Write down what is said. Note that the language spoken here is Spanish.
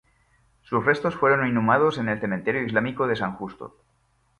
Sus restos fueron inhumados en el Cementerio Islámico de San Justo.